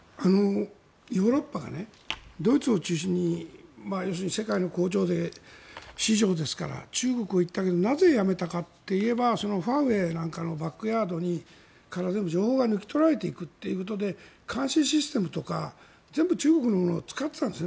ヨーロッパがドイツを中心に要するに世界の工場で市場ですから中国に行ったけどなぜやめたかといえばファーウェイなんかのバックヤードから全部、情報が抜き取られていくということで監視システムとか全部中国のものを使っていたんですね。